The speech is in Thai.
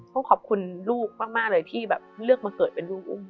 ขอบคุณลูกมากเลยที่แบบเลือกมาเกิดเป็นลูก